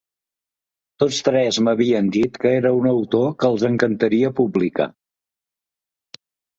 Tots tres m’havien dit que era un autor que els encantaria publicar.